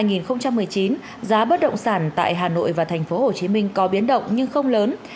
năm hai nghìn một mươi chín giá bất động sản tại hà nội và tp hcm có biến động nhưng không lớn